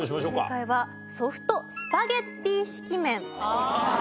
正解はソフトスパゲッティ式麺でした。